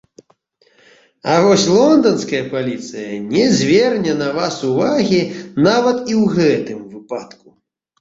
А вось лонданская паліцыя не зверне на вас увагі нават і ў гэтым выпадку.